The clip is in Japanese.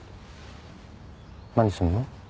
何するの？